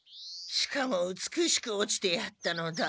しかもうつくしく落ちてやったのだ。